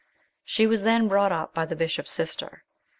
She was then brought up by the bishop's sister.